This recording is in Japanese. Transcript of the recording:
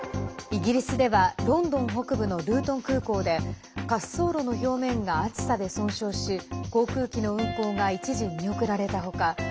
イギリスではロンドン北部のルートン空港で滑走路の表面が暑さで損傷し航空機の運航が一時、見送られたほか